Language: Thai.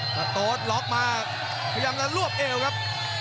สะโดดล็อกมาพยานกันรวบเอวครับ